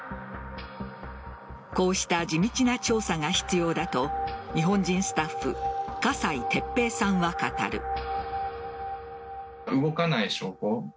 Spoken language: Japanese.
こうした地道な調査が必要だと日本人スタッフ笠井哲平さんは語る。